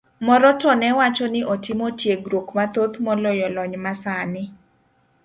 Moro to ne wacho ni otimo tiegruok mathoth maloyo lony masani.